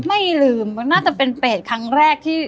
ไม่ลืมมันน่าจะเป็นเปรตครั้งแรกที่